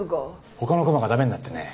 ほかの熊がダメになってね。